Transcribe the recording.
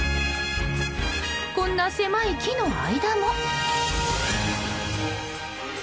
こんな狭い木の間も。